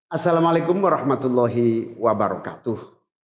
assalamu alaikum warahmatullahi wabarakatuh